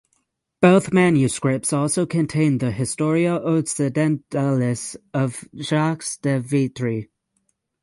Both manuscripts also contain the "Historia Occidentalis" of Jacques de Vitry.